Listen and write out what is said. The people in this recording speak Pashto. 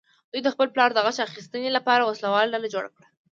دوی د خپل پلار غچ اخیستنې لپاره وسله واله ډله جوړه کړه.